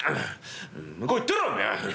「向こう行ってろおめえは！